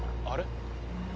あれ？